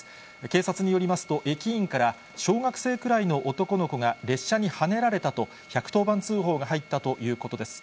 警察によりますと、駅員から、小学生くらいの男の子が列車にはねられたと１１０番通報が入ったということです。